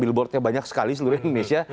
billboardnya banyak sekali seluruh indonesia